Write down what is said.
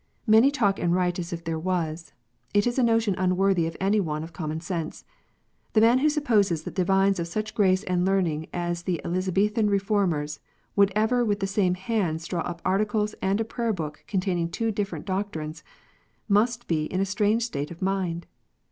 Many talk and write as if there was. It is a notion unworthy of any one of common sense. The man who supposes that divines of such grace and learning as the Elizabethan Reformers would ever with the same hands draw up Articles and a Prayer book containing two different doctrines, must be in a strange state of mind